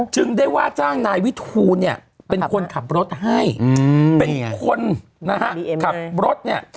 จึงได้ว่าจ้างนายวิทูลเนี่ยเป็นคนขับรถให้เป็นคนนะฮะขับรถเนี่ย